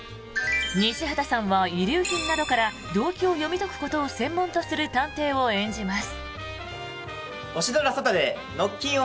西畑さんは遺留品などから動機を読み解くことを専門とする探偵を演じます。